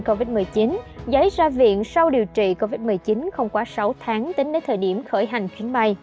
giấy ra viện sau điều trị covid một mươi chín không quá sáu tháng tính đến thời điểm khởi hành chuyến bay